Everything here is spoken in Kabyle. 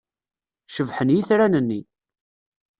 Cebḥen yitran-nni.